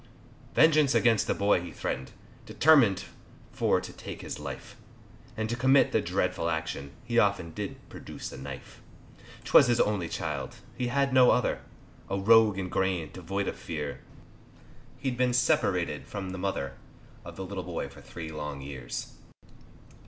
Vengeance against the boy he threaten'd Determin'd for to take his life, And to commit the dreadful action, He often did produce a knife; 'Twas his only child, he had no other, A rogue in grain, devoid of fear, He'd been separated from the mother Of the little boy for three long years.